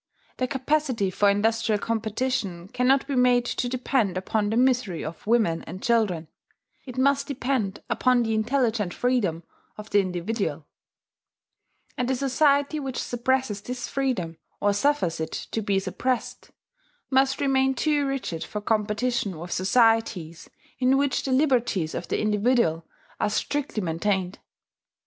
The capacity for industrial competition cannot be made to depend upon the misery of women and children; it must depend upon the intelligent freedom of the individual; and the society which suppresses this freedom, or suffers it to be suppressed, must remain too rigid for competition with societies in which the liberties of the individual are strictly maintained.